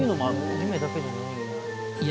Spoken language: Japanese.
夢だけじゃないんや。